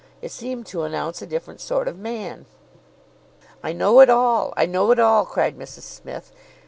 It seemed to announce a different sort of man." "I know it all, I know it all," cried Mrs Smith.